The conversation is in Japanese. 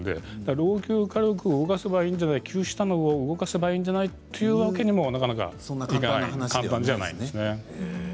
老朽火力を動かせばいいんじゃない休止したのを動かせばいいんじゃない、というわけにはなかなか簡単な話ではないです。